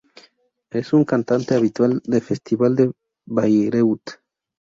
Es un cantante habitual de Festival de Bayreuth.